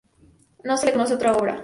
No se le conoce otra obra.